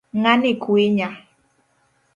Ng'ani kwinya.